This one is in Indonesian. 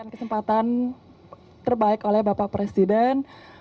kesempatan terbaik oleh bapak presiden